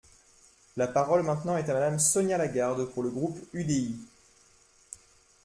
La parole maintenant est à Madame Sonia Lagarde pour le groupe UDI.